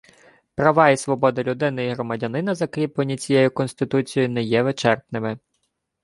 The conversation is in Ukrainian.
Права і свободи людини і громадянина, закріплені цією Конституцією, не є вичерпними